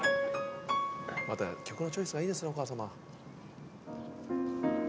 また曲のチョイスがいいですねお母さま。